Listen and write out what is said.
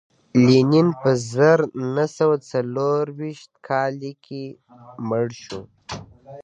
لینین په زر نه سوه څلرویشت کال کې مړ شو